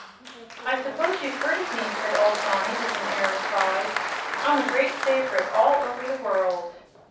"I suppose you've heard of me," said old Johnny, with an air of pride. "I'm a great favorite all over the world."